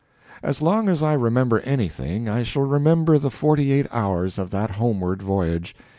As long as I remember anything I shall remember the forty eight hours of that homeward voyage.